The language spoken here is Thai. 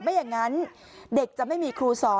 ไม่อย่างนั้นเด็กจะไม่มีครูสอน